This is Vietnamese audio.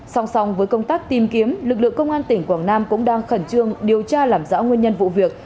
song song với công tác tìm kiếm lực lượng công an tỉnh quảng nam cũng đang khẩn trương điều tra làm rõ nguyên nhân vụ việc